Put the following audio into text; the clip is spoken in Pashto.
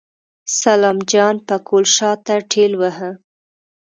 سلام جان پکول شاته ټېلوهه.